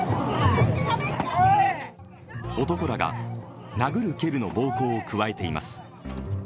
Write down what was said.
男らが殴る蹴るの暴行を加えています。